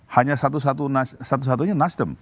hanya satu satunya nasdem